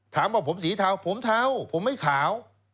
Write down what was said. ถามว่าผมสีเทาผมเทาผมไม่ขาว